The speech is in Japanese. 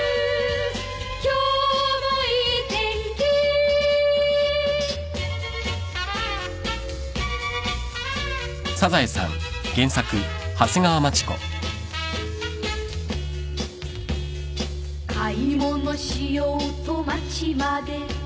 「今日もいい天気」「買い物しようと街まで」